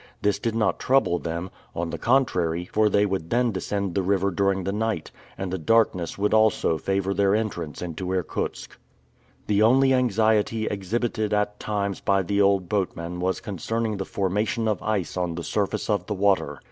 This did not trouble them; on the contrary, for they would then descend the river during the night, and the darkness would also favor their entrance into Irkutsk. The only anxiety exhibited at times by the old boatman was concerning the formation of ice on the surface of the water.